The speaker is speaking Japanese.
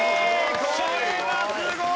これはすごい！